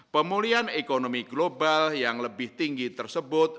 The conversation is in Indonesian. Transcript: pemulihan ekonomi global yang lebih tinggi tersebut